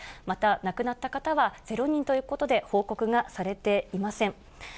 また亡くなった方は０人ということで、報告がされていません。